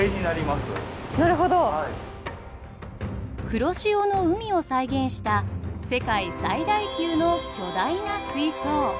黒潮の海を再現した世界最大級の巨大な水槽。